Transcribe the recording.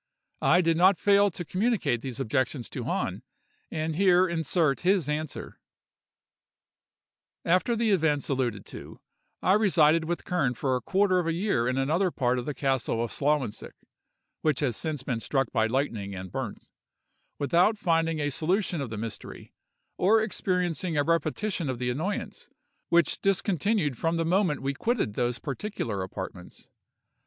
I did not fail to communicate these objections to Hahn, and here insert his answer:— "'After the events alluded to, I resided with Kern for a quarter of a year in another part of the castle of Slawensick (which has since been struck by lightning, and burnt), without finding a solution of the mystery, or experiencing a repetition of the annoyance, which discontinued from the moment we quitted those particular apartments.